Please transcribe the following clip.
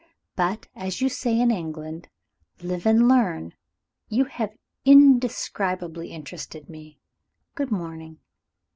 But, as you say in England, 'Live and learn.' You have indescribably interested me. Good morning."